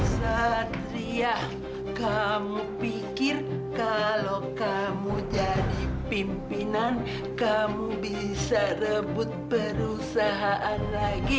satria kau pikir kalau kamu jadi pimpinan kamu bisa rebut perusahaan lagi